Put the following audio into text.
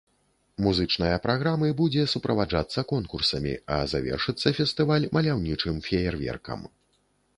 Музычная праграмы будзе суправаджацца конкурсамі, а завершыцца фестываль маляўнічым феерверкам.